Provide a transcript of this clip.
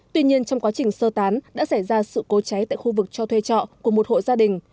tuy nhiên trong quá trình sơ tán đã xảy ra sự cố cháy tại khu vực cho thuê trọ của một hộ gia đình